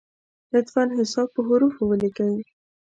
لطفا حساب په حروفو ولیکی!